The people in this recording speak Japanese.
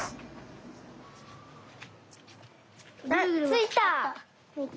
ついた！